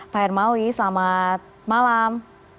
pak hermawi selamat malam